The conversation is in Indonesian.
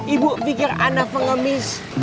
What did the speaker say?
ibu pikir anak pengemis